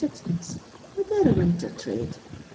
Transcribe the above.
but they 're a winter 'trade.